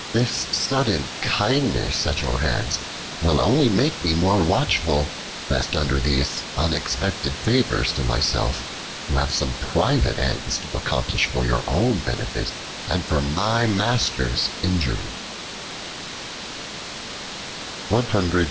This sudden kindness at your hands will only make me more watchful, lest under these unexpected favors to myself, you have some private ends to accomplish for your own benefit, and for my master's injury."